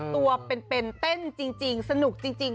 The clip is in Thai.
ตัวเป็นเต้นจริงสนุกจริง